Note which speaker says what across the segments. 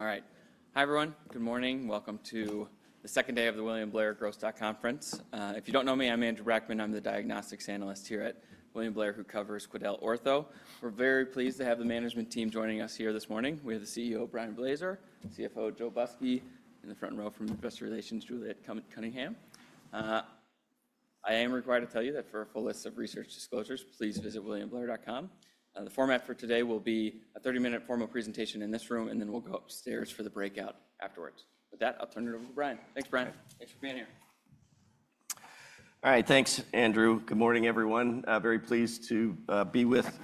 Speaker 1: All right. Hi, everyone. Good morning. Welcome to the second day of the William Blair Growth Stock conference. If you do not know me, I am Andrew Brackmann. I am the diagnostics analyst here at William Blair, who covers QuidelOrtho. We are very pleased to have the management team joining us here this morning. We have the CEO, Brian Blaser, CFO, Joe Busky, in the front row from Investor Relations, Juliet Cunningham. I am required to tell you that for a full list of research disclosures, please visit williamblair.com. The format for today will be a 30-minute formal presentation in this room, and then we will go upstairs for the breakout afterwards. With that, I will turn it over to Brian. Thanks, Brian. Thanks for being here.
Speaker 2: All right. Thanks, Andrew. Good morning, everyone. Very pleased to be with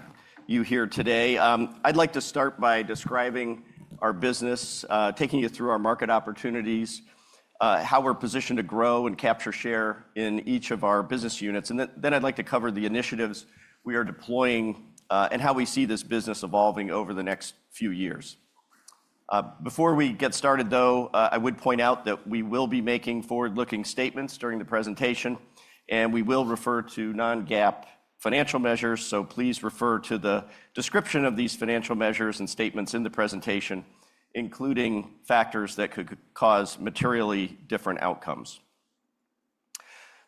Speaker 2: you here today. I'd like to start by describing our business, taking you through our market opportunities, how we're positioned to grow and capture share in each of our business units. Then I'd like to cover the initiatives we are deploying and how we see this business evolving over the next few years. Before we get started, though, I would point out that we will be making forward-looking statements during the presentation, and we will refer to non-GAAP financial measures. Please refer to the description of these financial measures and statements in the presentation, including factors that could cause materially different outcomes.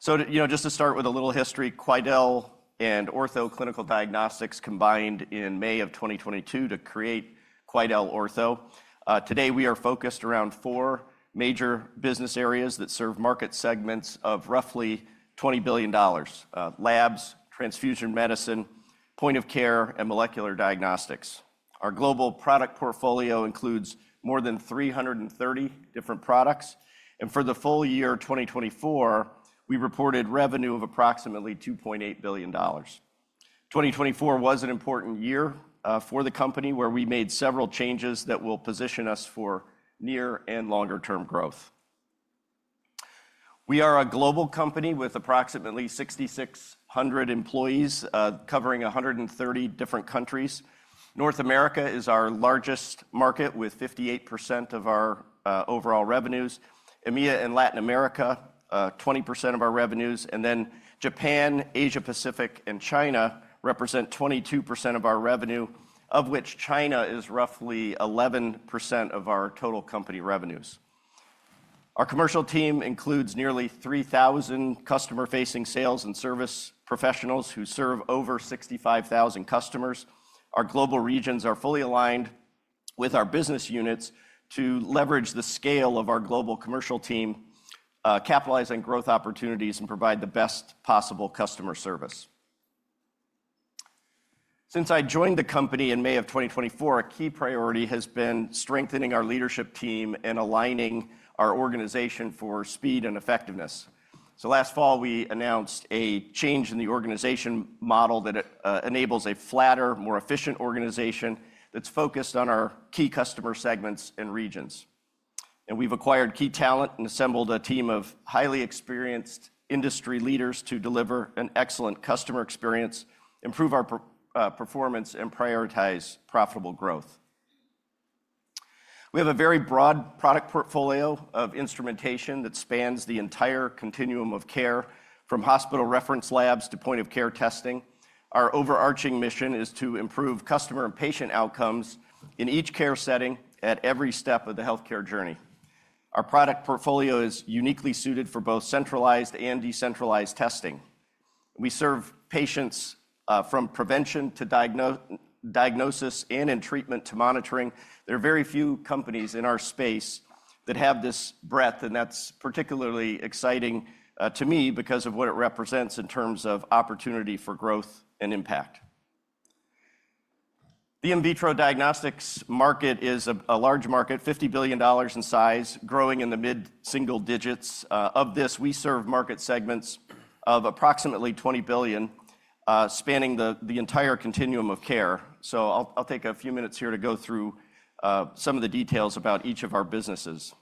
Speaker 2: Just to start with a little history, Quidel and Ortho Clinical Diagnostics combined in May of 2022 to create QuidelOrtho. Today, we are focused around four major business areas that serve market segments of roughly $20 billion: Labs, Transfusion Medicine, Point of Care, and Molecular Diagnostics. Our global product portfolio includes more than 330 different products. For the full year 2024, we reported revenue of approximately $2.8 billion. 2024 was an important year for the company, where we made several changes that will position us for near and longer-term growth. We are a global company with approximately 6,600 employees covering 130 different countries. North America is our largest market with 58% of our overall revenues. EMEA and Latin America, 20% of our revenues. Japan, Asia-Pacific, and China represent 22% of our revenue, of which China is roughly 11% of our total company revenues. Our commercial team includes nearly 3,000 customer-facing sales and service professionals who serve over 65,000 customers. Our global regions are fully aligned with our business units to leverage the scale of our global commercial team, capitalize on growth opportunities, and provide the best possible customer service. Since I joined the company in May of 2024, a key priority has been strengthening our leadership team and aligning our organization for speed and effectiveness. Last fall, we announced a change in the organization model that enables a flatter, more efficient organization that's focused on our key customer segments and regions. We have acquired key talent and assembled a team of highly experienced industry leaders to deliver an excellent customer experience, improve our performance, and prioritize profitable growth. We have a very broad product portfolio of instrumentation that spans the entire continuum of care, from hospital reference labs to point-of-care testing. Our overarching mission is to improve customer and patient outcomes in each care setting at every step of the healthcare journey. Our product portfolio is uniquely suited for both centralized and decentralized testing. We serve patients from prevention to diagnosis and in treatment to monitoring. There are very few companies in our space that have this breadth, and that's particularly exciting to me because of what it represents in terms of opportunity for growth and impact. The in vitro diagnostics market is a large market, $50 billion in size, growing in the mid-single digits. Of this, we serve market segments of approximately $20 billion spanning the entire continuum of care. I will take a few minutes here to go through some of the details about each of our businesses.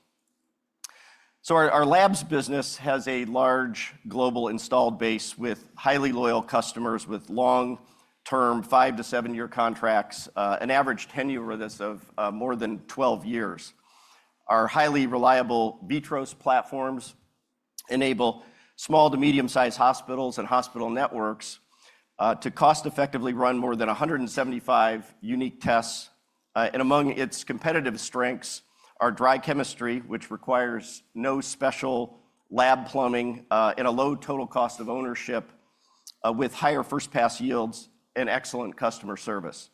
Speaker 2: Our labs business has a large global installed base with highly loyal customers with long-term 5-7 year contracts, an average tenure with us of more than 12 years. Our highly reliable VITROS platforms enable small to medium-sized hospitals and hospital networks to cost-effectively run more than 175 unique tests. Among its competitive strengths are dry chemistry, which requires no special lab plumbing and a low total cost of ownership, with higher first-pass yields and excellent customer service.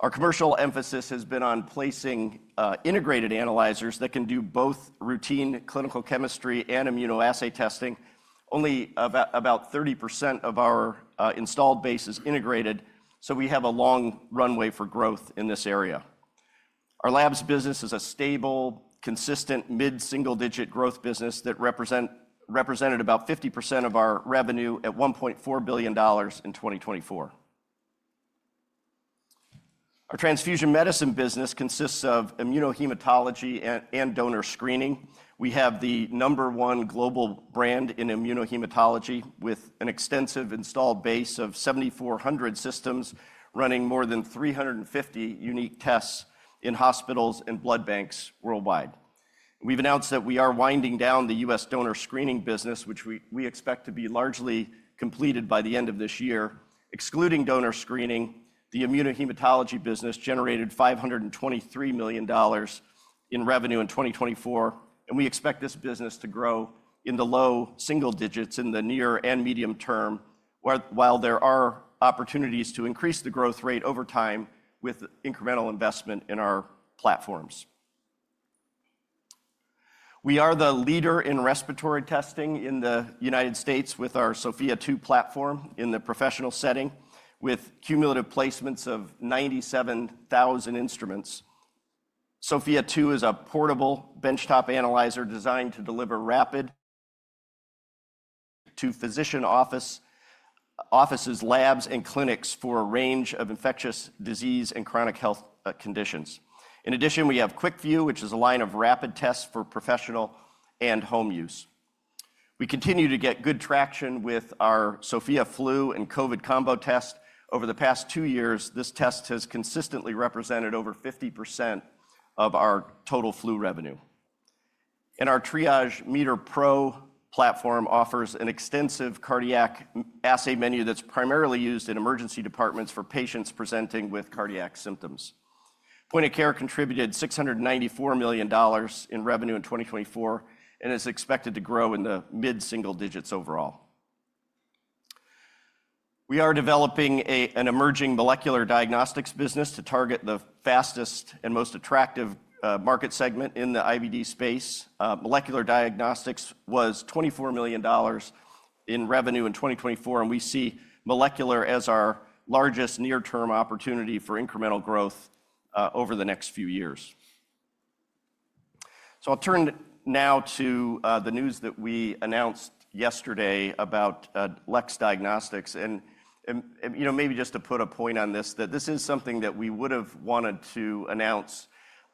Speaker 2: Our commercial emphasis has been on placing integrated analyzers that can do both routine clinical chemistry and immunoassay testing. Only about 30% of our installed base is integrated, so we have a long runway for growth in this area. Our labs business is a stable, consistent mid-single-digit growth business that represented about 50% of our revenue at $1.4 billion in 2024. Our Transfusion Medicine business consists of immunohematology and donor screening. We have the number one global brand in immunohematology with an extensive installed base of 7,400 systems running more than 350 unique tests in hospitals and blood banks worldwide. We have announced that we are winding down the U.S. Donor Screening business, which we expect to be largely completed by the end of this year. Excluding donor screening, the Immunohematology business generated $523 million in revenue in 2024, and we expect this business to grow in the low single digits in the near and medium term, while there are opportunities to increase the growth rate over time with incremental investment in our platforms. We are the leader in respiratory testing in the United States with our Sofia 2 platform in the professional setting, with cumulative placements of 97,000 instruments. Sofia 2 is a portable benchtop analyzer designed to deliver rapid to physician offices, labs, and clinics for a range of infectious disease and chronic health conditions. In addition, we have QUICKVUE, which is a line of rapid tests for professional and home use. We continue to get good traction with our SOFIA flu and COVID combo test. Over the past two years, this test has consistently represented over 50% of our total flu revenue. Our Triage Meter Pro platform offers an extensive cardiac assay menu that is primarily used in emergency departments for patients presenting with cardiac symptoms. Point of care contributed $694 million in revenue in 2024 and is expected to grow in the mid-single digits overall. We are developing an emerging molecular diagnostics business to target the fastest and most attractive market segment in the IVD space. Molecular diagnostics was $24 million in revenue in 2024, and we see molecular as our largest near-term opportunity for incremental growth over the next few years. I will turn now to the news that we announced yesterday about LEX Diagnostics. Maybe just to put a point on this, this is something that we would have wanted to announce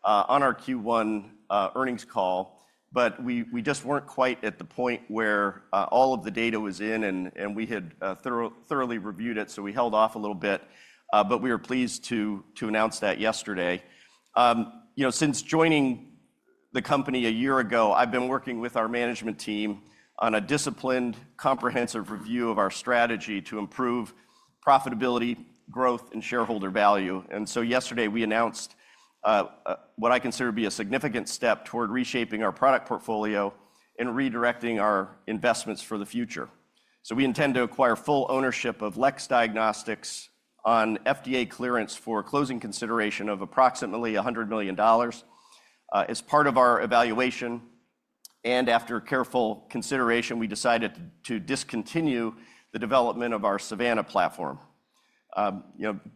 Speaker 2: on our Q1 earnings call, but we just were not quite at the point where all of the data was in, and we had thoroughly reviewed it, so we held off a little bit. We were pleased to announce that yesterday. Since joining the company a year ago, I have been working with our management team on a disciplined, comprehensive review of our strategy to improve profitability, growth, and shareholder value. Yesterday, we announced what I consider to be a significant step toward reshaping our product portfolio and redirecting our investments for the future. We intend to acquire full ownership of LEX Diagnostics on FDA clearance for closing consideration of approximately $100 million as part of our evaluation. And after careful consideration, we decided to discontinue the development of our SAVANNA platform.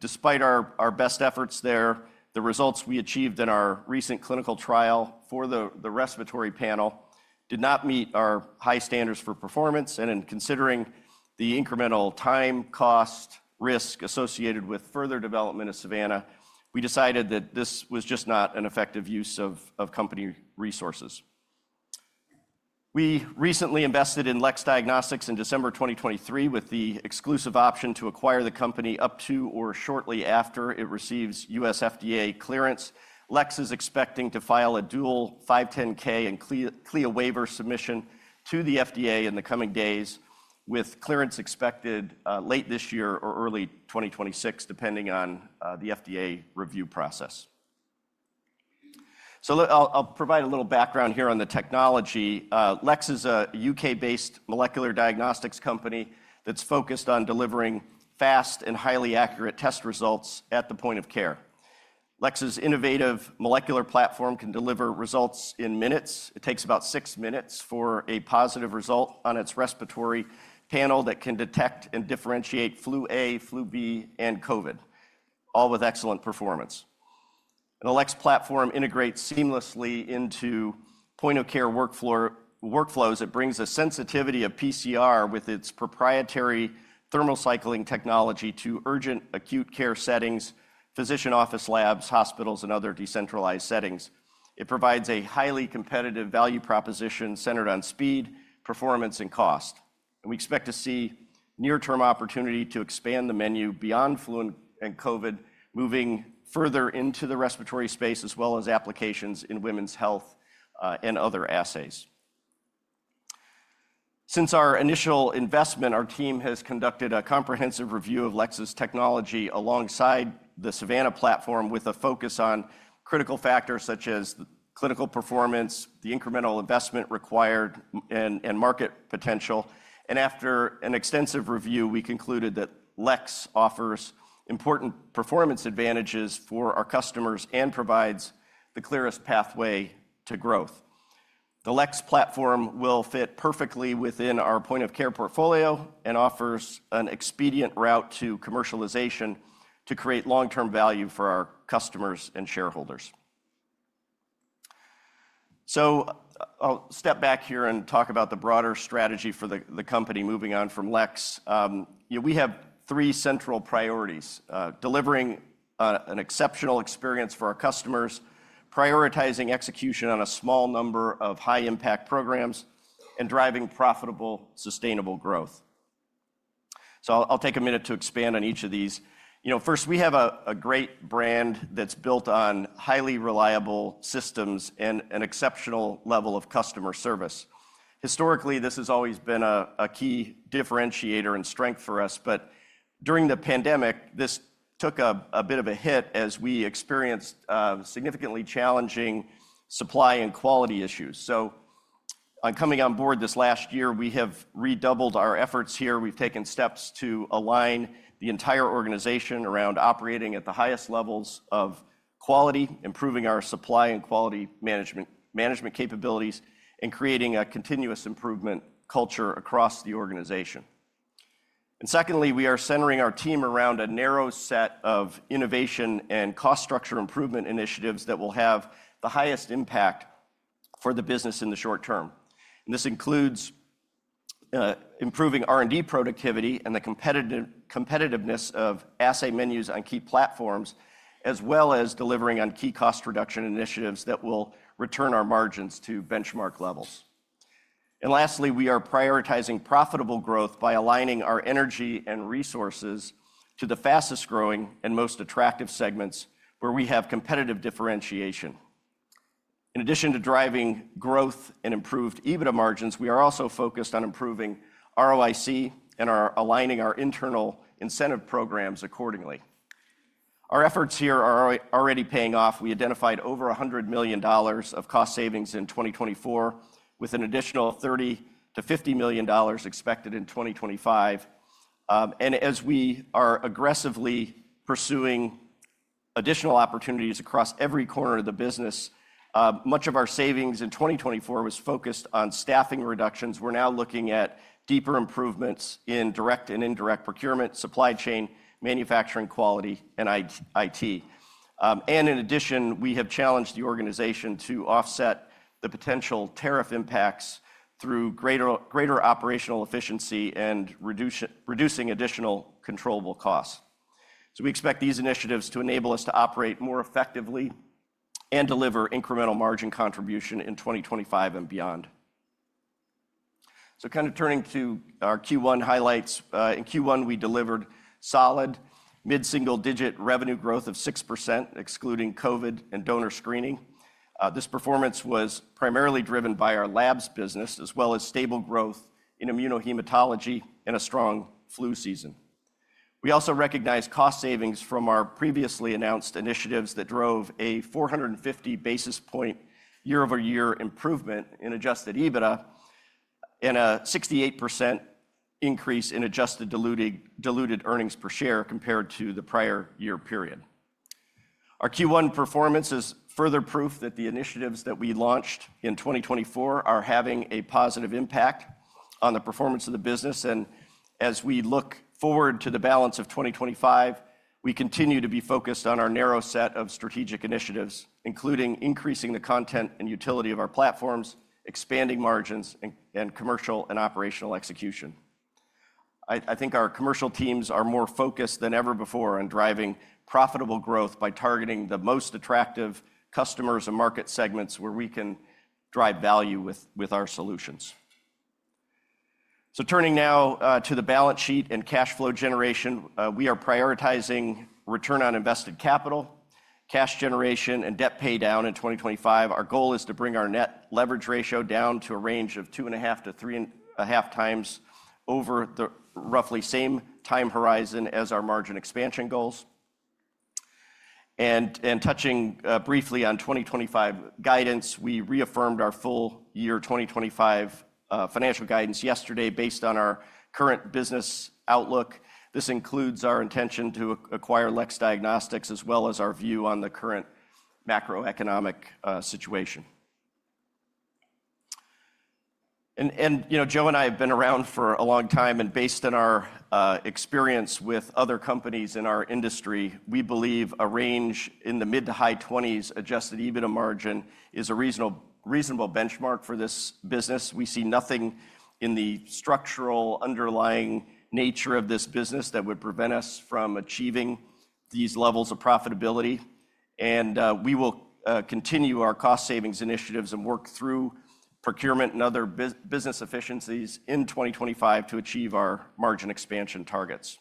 Speaker 2: Despite our best efforts there, the results we achieved in our recent clinical trial for the respiratory panel did not meet our high standards for performance. In considering the incremental time, cost, and risk associated with further development of SAVANNA, we decided that this was just not an effective use of company resources. We recently invested in LEX Diagnostics in December 2023 with the exclusive option to acquire the company up to or shortly after it receives U.S. FDA clearance. LEX is expecting to file a dual 510(k) and CLIA waiver submission to the FDA in the coming days, with clearance expected late this year or early 2026, depending on the FDA review process. I'll provide a little background here on the technology. LEX is a U.K.-based molecular diagnostics company that's focused on delivering fast and highly accurate test results at the point of care. LEX's innovative molecular platform can deliver results in minutes. It takes about six minutes for a positive result on its respiratory panel that can detect and differentiate flu A, flu B, and COVID, all with excellent performance. The LEX platform integrates seamlessly into point of care workflows. It brings a sensitivity of PCR with its proprietary thermal cycling technology to urgent acute care settings, physician office labs, hospitals, and other decentralized settings. It provides a highly competitive value proposition centered on speed, performance, and cost. We expect to see near-term opportunity to expand the menu beyond flu and COVID, moving further into the respiratory space as well as applications in women's health and other assays. Since our initial investment, our team has conducted a comprehensive review of LEX's technology alongside the SAVANNA platform, with a focus on critical factors such as clinical performance, the incremental investment required, and market potential. After an extensive review, we concluded that LEX offers important performance advantages for our customers and provides the clearest pathway to growth. The LEX platform will fit perfectly within our point of care portfolio and offers an expedient route to commercialization to create long-term value for our customers and shareholders. I'll step back here and talk about the broader strategy for the company moving on from LEX. We have three central priorities: delivering an exceptional experience for our customers, prioritizing execution on a small number of high-impact programs, and driving profitable, sustainable growth. So, I'll take a minute to expand on each of these. First, we have a great brand that's built on highly reliable systems and an exceptional level of customer service. Historically, this has always been a key differentiator and strength for us. But during the pandemic, this took a bit of a hit as we experienced significantly challenging supply and quality issues. So on coming on board this last year, we have redoubled our efforts here. We've taken steps to align the entire organization around operating at the highest levels of quality, improving our supply and quality management capabilities, and creating a continuous improvement culture across the organization. Secondly, we are centering our team around a narrow set of innovation and cost structure improvement initiatives that will have the highest impact for the business in the short term. This includes improving R&D productivity and the competitiveness of assay menus on key platforms, as well as delivering on key cost reduction initiatives that will return our margins to benchmark levels. Lastly, we are prioritizing profitable growth by aligning our energy and resources to the fastest-growing and most attractive segments where we have competitive differentiation. In addition to driving growth and improved EBITDA margins, we are also focused on improving ROIC and aligning our internal incentive programs accordingly. Our efforts here are already paying off. We identified over $100 million of cost savings in 2024, with an additional $30 million-$50 million expected in 2025. As we are aggressively pursuing additional opportunities across every corner of the business, much of our savings in 2024 was focused on staffing reductions. We are now looking at deeper improvements in direct and indirect procurement, supply chain, manufacturing quality, and IT. In addition, we have challenged the organization to offset the potential tariff impacts through greater operational efficiency and reducing additional controllable costs. We expect these initiatives to enable us to operate more effectively and deliver incremental margin contribution in 2025 and beyond. Kind of turning to our Q1 highlights. In Q1, we delivered solid mid-single digit revenue growth of 6%, excluding COVID and donor screening. This performance was primarily driven by our labs business, as well as stable growth in immunohematology and a strong flu season. We also recognize cost savings from our previously announced initiatives that drove a 450 basis point year-over-year improvement in adjusted EBITDA and a 68% increase in adjusted diluted earnings per share compared to the prior year period. Our Q1 performance is further proof that the initiatives that we launched in 2024 are having a positive impact on the performance of the business. And as we look forward to the balance of 2025, we continue to be focused on our narrow set of strategic initiatives, including increasing the content and utility of our platforms, expanding margins, and commercial and operational execution. I think our commercial teams are more focused than ever before on driving profitable growth by targeting the most attractive customers and market segments where we can drive value with our solutions. So turning now to the balance sheet and cash flow generation, we are prioritizing return on invested capital, cash generation, and debt paydown in 2025. Our goal is to bring our net leverage ratio down to a range of 2.5x-3.5x over the roughly same time horizon as our margin expansion goals. And touching briefly on 2025 guidance, we reaffirmed our full-year 2025 financial guidance yesterday based on our current business outlook. This includes our intention to acquire LEX Diagnostics as well as our view on the current macroeconomic situation. Joe and I have been around for a long time. Based on our experience with other companies in our industry, we believe a range in the mid to high 20s adjusted EBITDA margin is a reasonable benchmark for this business. We see nothing in the structural underlying nature of this business that would prevent us from achieving these levels of profitability. And we will continue our cost savings initiatives and work through procurement and other business efficiencies in 2025 to achieve our margin expansion targets.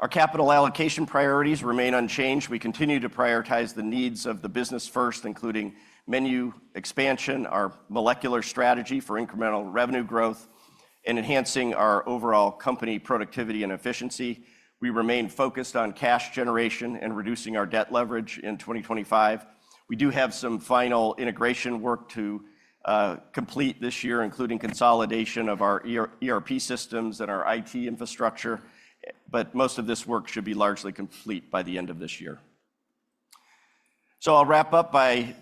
Speaker 2: Our capital allocation priorities remain unchanged. We continue to prioritize the needs of the business first, including menu expansion, our molecular strategy for incremental revenue growth, and enhancing our overall company productivity and efficiency. We remain focused on cash generation and reducing our debt leverage in 2025. We do have some final integration work to complete this year, including consolidation of our ERP systems and our IT infrastructure. But most of this work should be largely complete by the end of this year. So, I'll wrap up by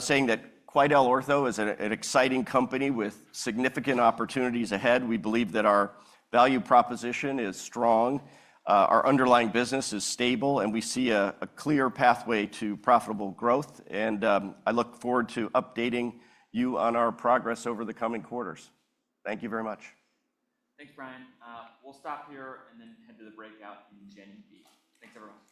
Speaker 2: saying that QuidelOrtho, as an exciting company with significant opportunities ahead, we believe that our value proposition is strong, our underlying business is stable, and we see a clear pathway to profitable growth. I look forward to updating you on our progress over the coming quarters. Thank you very much.
Speaker 1: Thanks, Brian. We'll stop here and then head to the breakout in [guess-Gen V]. Thanks, everyone.